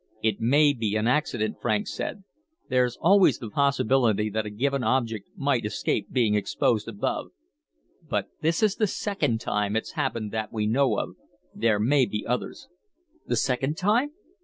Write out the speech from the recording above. "It may be an accident," Franks said. "There's always the possibility that a given object might escape being exposed above. But this is the second time it's happened that we know of. There may be others." "The second time?"